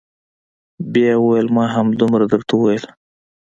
بيا يې وويل ما همدومره درته وويل.